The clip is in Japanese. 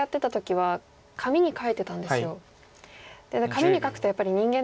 紙に書くとやっぱり人間なので。